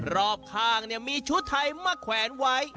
รอบข้างมีชุดไทยมาแขวนไว้